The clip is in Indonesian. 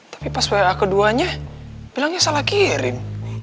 tapi pas wa keduanya bilangnya salah kirim